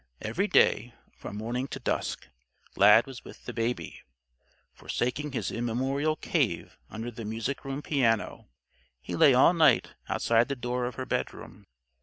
Every day, from morning to dusk, Lad was with the Baby. Forsaking his immemorial "cave" under the music room piano, he lay all night outside the door of her bedroom.